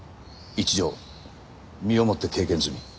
一条身をもって経験済み。